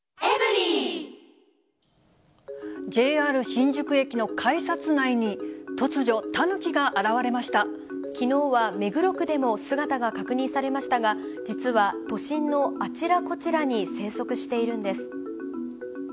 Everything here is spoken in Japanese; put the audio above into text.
ＪＲ新宿駅の改札内に、きのうは目黒区でも姿が確認されましたが、実は都心のあちらこちらに生息しているんです。